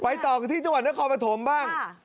ต่อกันที่จังหวัดนครปฐมบ้าง